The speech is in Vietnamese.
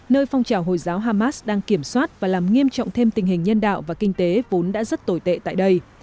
nơi phong trào hồi giáo hamas đang kiểm soát và làm nghiêm trọng thêm tình hình nhân đạo và kinh tế vốn đã rất tồi tệ tại đây